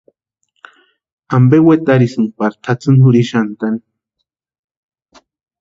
¿Ampe wetarhisïnki pari tʼatsïni jurhixantʼani?